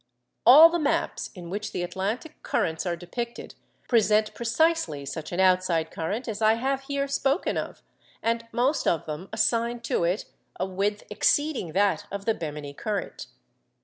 All the maps in which the Atlantic currents are depicted present precisely such an outside current as I have here spoken of, and most of them assign to it a width exceeding that of the Bemini current.